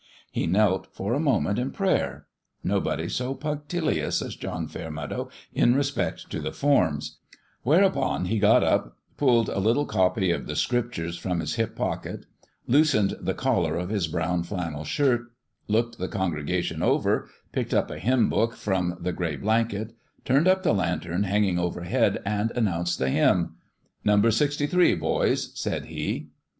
He knelt, for a moment, in prayer nobody so punctilious as John Fairmeadow in respect to the forms whereupon he got up, pulled a little copy of the Scriptures from his hip pocket, loosened the collar of his brown flannel shirt, looked the congregation over, picked up a hymn book from the gray blanket^ turned up the lantern hanging overhead, and announced the hymn. " Number sixty three, boys," said he.